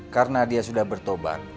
karena dia sudah bertubat